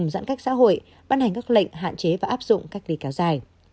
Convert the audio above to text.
bao gồm giãn cách xã hội ban hành các lệnh hạn chế và áp dụng cách đi kéo dài